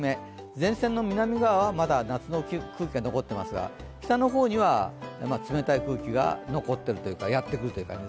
前線の南側はまだ夏の空気が残ってますが北の方には冷たい空気が残ってるというかやってきます。